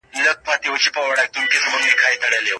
خو مېړه کېدل، ستړیا منل، کارکول، ځان ستړی کول،